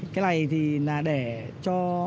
cái này thì là để cho